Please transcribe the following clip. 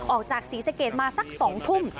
ออกจากศรีสะเกดมาสัก๒ทุ่ม